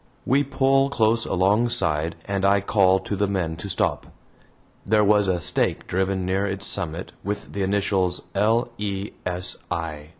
We pull close alongside and I call to the men to stop. There was a stake driven near its summit with the initials, "L. E. S. I."